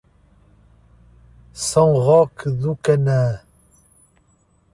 São Roque do Canaã